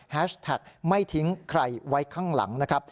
แฮชแท็กไม่ทิ้งใครไว้ข้างหลัง